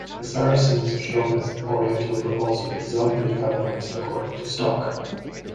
The Saracens shown as oriental but also "exotically feminized" according to Stock.